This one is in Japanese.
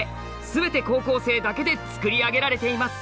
全て高校生だけで作り上げられています。